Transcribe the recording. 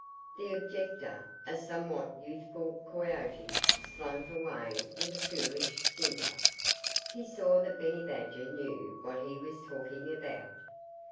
The objector a somewhat youthful coyote slunk away with a foolish simper. He saw that Benny Badger knew what he was talking about.